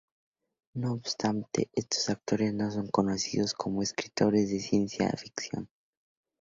No obstante estos autores no son conocidos como escritores de ciencia ficción.